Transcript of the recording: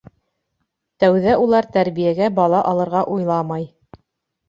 Тәүҙә улар тәрбиәгә бала алырға уйламай.